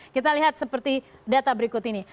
kita lihat seperti data berikut ini